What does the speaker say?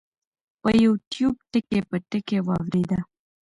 پۀ يو ټيوب ټکے پۀ ټکے واورېده -